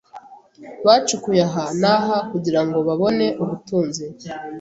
Bacukuye aha n'aha kugirango babone ubutunzi.